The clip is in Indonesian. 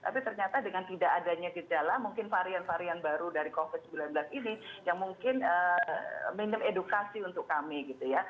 tapi ternyata dengan tidak adanya gejala mungkin varian varian baru dari covid sembilan belas ini yang mungkin minim edukasi untuk kami gitu ya